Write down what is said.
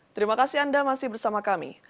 terima kasih anda masih bersama kami